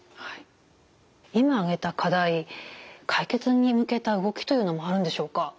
今挙げた課題解決に向けた動きというのもあるんでしょうか？